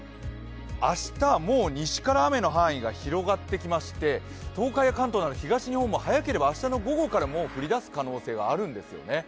明日、もう西から雨の範囲が広がってきまして東海や関東など東日本も明日午後からもう降り出す可能性があるんですよね。